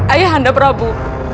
ayah anda prabu